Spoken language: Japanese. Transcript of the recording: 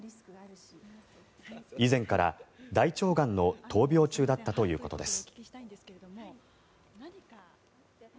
以前から大腸がんの闘病中だったということです。